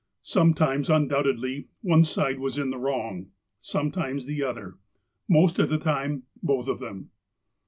Sometimes, undoubtedly, one side was in the wrong ; sometimes the other — most of the time, both of them.